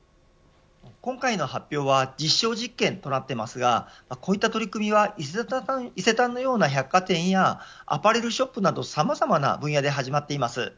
今回の発表は実証実験となっていますがこういった取り組みは伊勢丹のような百貨店やアパレルショップなどさまざまな分野で始まっています。